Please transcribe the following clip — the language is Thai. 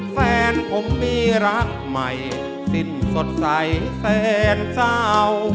แฟนผมมีรักใหม่สิ้นสดใสแฟนเศร้า